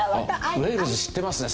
ウェールズ知ってますね。